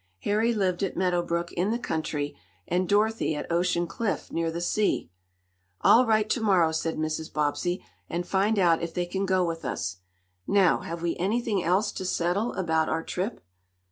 Harry lived at Meadow Brook, in the country, and Dorothy at Ocean Cliff, near the sea. "I'll write to morrow," said Mrs. Bobbsey, "and find out if they can go with us. Now have we anything else to settle about our trip?"